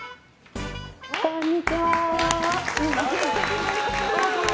こんにちは。